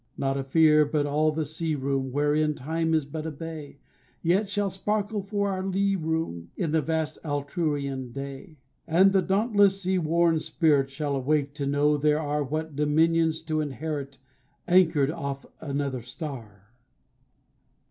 Not a fear but all the sea room, Wherein time is but a bay, Yet shall sparkle for our lee room In the vast Altrurian day. And the dauntless seaworn spirit Shall awake to know there are What dominions to inherit, Anchored off another star!